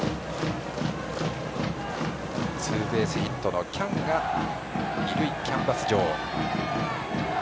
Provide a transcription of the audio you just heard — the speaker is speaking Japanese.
ツーベースヒットの喜屋武が二塁キャンバス上。